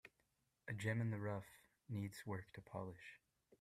A gem in the rough needs work to polish.